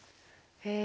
へえ。